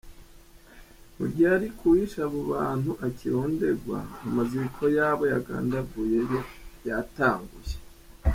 Mu gihe ariko uwishe abo bantu akironderwa, amaziko y’abo yagandaguye yo yatanguye.